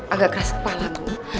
agak keras kepala bu